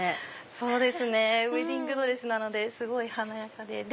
そうですねウエディングドレスなので華やかで。